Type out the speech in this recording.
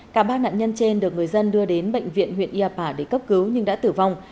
cả ba nạn nhân trên được người dân đưa đến bệnh viện huyện yapa để cấp cứu nhưng đã tử vong